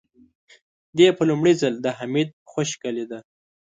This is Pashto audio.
دې په لومړي ځل د حميد خشکه لېده.